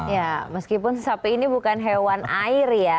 ya meskipun sapi ini bukan hewan air ya